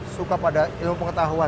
suka pada ilmu pengetahuan